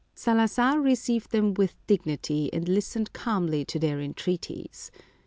Salazar received them with dignity, and listened calmly to their entreaties.